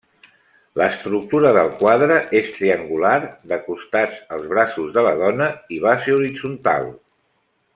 L'estructura del quadre és triangular, de costats els braços de la dona i base horitzontal.